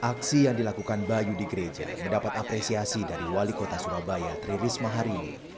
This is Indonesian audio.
aksi yang dilakukan bayu di gereja mendapat apresiasi dari wali kota surabaya tri risma hari ini